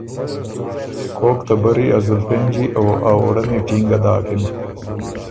کوک ته برّي ا زُلفېنجی او ا ووړمی ټېنګه داکِن۔